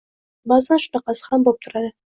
Ba’zan shunaqasi ham bo‘p turadi.